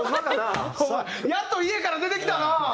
やっと家から出てきたな！